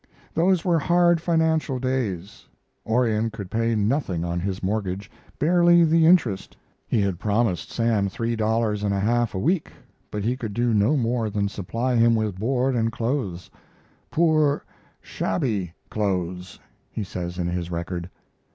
] Those were hard financial days. Orion could pay nothing on his mortgage barely the interest. He had promised Sam three dollars and a half a week, but he could do no more than supply him with board and clothes "poor, shabby clothes," he says in his record.